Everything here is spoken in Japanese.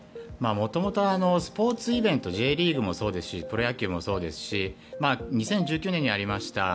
もともとスポーツイベントＪリーグ、プロ野球もそうですし２０１９年にありました